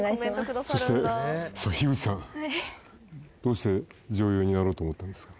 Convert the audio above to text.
そして樋口さんどうして女優になろうと思ったんですか？